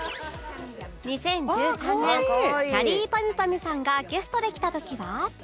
２０１３年きゃりーぱみゅぱみゅさんがゲストで来た時は